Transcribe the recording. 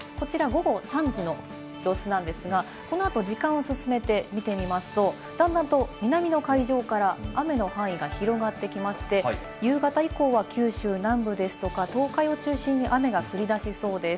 こちら午後３時の様子なんですが、この後、時間を進めて見てみますと、段々と南の海上から雨の範囲が広がってきまして、夕方以降は九州南部ですとか東海を中心に雨が降り出しそうです。